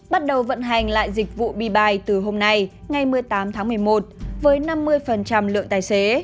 bắt đầu vận hành lại dịch vụ bibi từ hôm nay ngày một mươi tám tháng một mươi một với năm mươi lượng tài xế